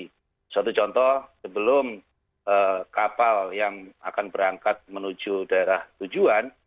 jadi suatu contoh sebelum kapal yang akan berangkat menuju daerah tujuan